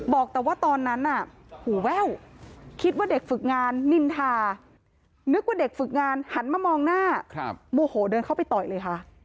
บอกว่าตอนนั้นน่ะหูแว่วคิดว่าเด็กฝึกงานนินทานึกว่าเด็กฝึกงานหันมามองหน้าโมโหเดินเข้าไปต่อยเลยค่ะ